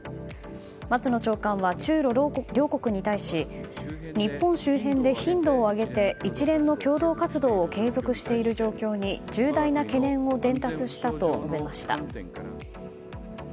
松野長官は中ロ両国に対し日本周辺で頻度を上げて一連の共同活動を継続している状況に重大な懸念を伝達したと述べました。